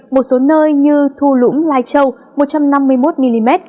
một số nơi như thu lũng lai châu một trăm năm mươi một mm